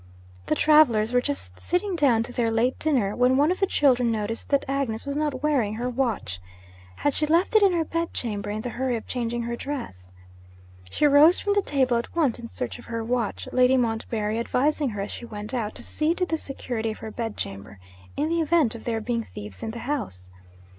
The travellers were just sitting down to their late dinner, when one of the children noticed that Agnes was not wearing her watch. Had she left it in her bed chamber in the hurry of changing her dress? She rose from the table at once in search of her watch; Lady Montbarry advising her, as she went out, to see to the security of her bed chamber, in the event of there being thieves in the house.